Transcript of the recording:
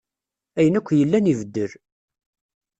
Ayen akk yellan ibeddel.